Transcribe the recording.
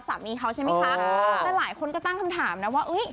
สามีเขาใช่ไหมคะแต่หลายคนก็ตั้งคำถามนะว่า